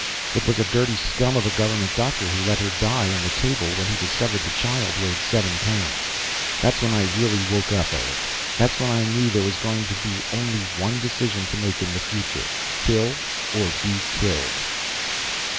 "It was a dirty scum of a government doctor who let her die on the table when he discovered the child weighed seven pounds. That's when I really woke up, Eric. That's when I knew there was going to be only one decision to make in the future kill or be killed."